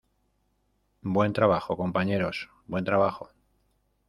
Buen trabajo, compañeros. Buen trabajo .